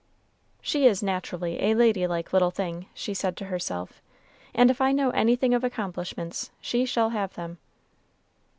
"She is naturally a lady like little thing," she said to herself, "and if I know anything of accomplishments, she shall have them."